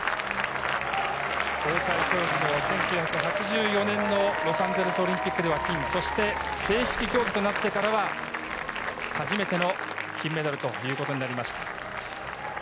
公開競技の１９８４年のロサンゼルスオリンピックでは金、正式競技となってからは初めての金メダルということになりました。